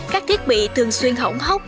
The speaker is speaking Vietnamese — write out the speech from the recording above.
các thiết bị thường xuyên hỗn hốc